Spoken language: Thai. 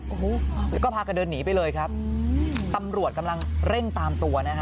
โอ้โหแล้วก็พากันเดินหนีไปเลยครับตำรวจกำลังเร่งตามตัวนะฮะ